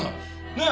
ねえ？